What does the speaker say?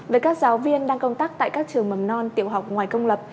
với các giáo viên đang công tác tại các trường mầm non tiểu học ngoài công lập